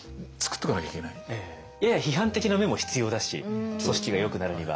やや批判的な目も必要だし組織がよくなるには。